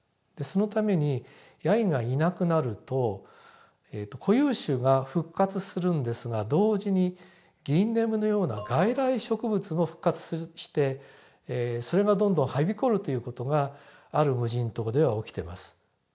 そのためにヤギがいなくなると固有種が復活するんですが同時にギンネムのような外来植物も復活してそれがどんどんはびこるという事がある無人島では起きてます。